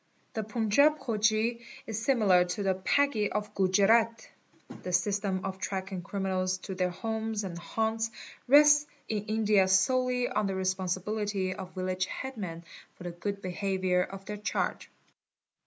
The Panjab Khoji is similar to the Paggi of Gujerat. The system of tracking criminals to their homes and haunts. rests in India solely on the respon _ sibility of village headmen for the good behaviour of their charge.